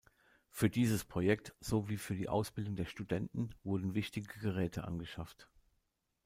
Für dieses Projekt sowie für die Ausbildung der Studenten wurden wichtige Geräte angeschafft.